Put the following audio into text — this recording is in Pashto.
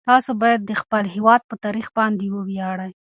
تاسو باید د خپل هیواد په تاریخ باندې وویاړئ.